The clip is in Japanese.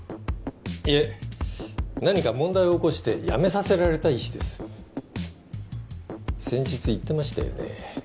いえ何か問題を起こして辞めさせられた医師です先日言ってましたよね？